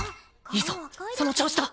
いいぞその調子だ！